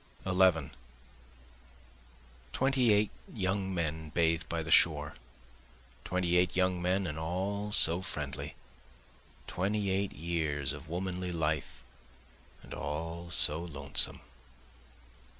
11 Twenty eight young men bathe by the shore, Twenty eight young men and all so friendly; Twenty eight years of womanly life and all so lonesome.